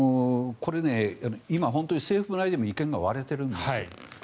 これ今、本当に政府内でも意見が割れているんですよ。